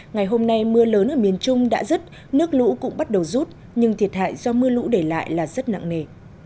ngày hôm nay mưa lớn ở miền trung đã rứt nước lũ cũng bắt đầu rút nhưng thiệt hại do mưa lũ để lại là rất nặng nề